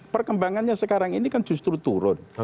perkembangannya sekarang ini kan justru turun